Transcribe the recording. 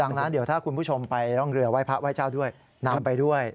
ดังนั้นเดี๋ยวถ้าคุณผู้ชมไปร่องเรือไห้พระไห้เจ้าด้วยนำไปด้วย